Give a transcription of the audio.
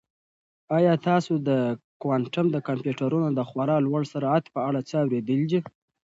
آیا تاسو د کوانټم کمپیوټرونو د خورا لوړ سرعت په اړه څه اورېدلي؟